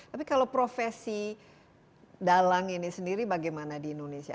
tapi kalau profesi dalang ini sendiri bagaimana di indonesia